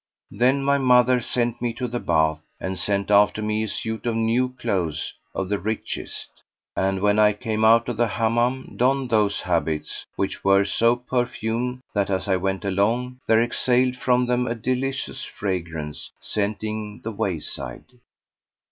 Then my mother sent me to the bath and sent after me a suit of new clothes of the richest; and, when I came out of the Hammam, I donned those habits which were so perfumed that as I went along, there exhaled from them a delicious fragrance scenting the wayside.